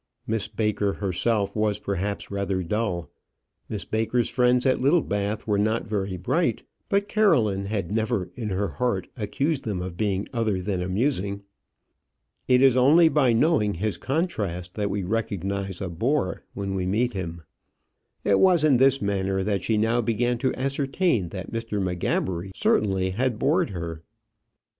Miss Baker herself was, perhaps, rather dull. Miss Baker's friends at Littlebath were not very bright; but Caroline had never in her heart accused them of being other than amusing. It is only by knowing his contrast that we recognize a bore when we meet him. It was in this manner that she now began to ascertain that Mr. M'Gabbery certainly had bored her.